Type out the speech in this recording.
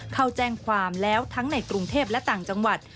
เข้าแจ้งความแล้วทั้งในกรุงเทพและต่างจังหวัด